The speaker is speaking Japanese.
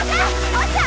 おっちゃん！